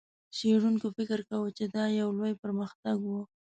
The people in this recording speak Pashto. څېړونکو فکر کاوه، چې دا یو لوی پرمختګ و.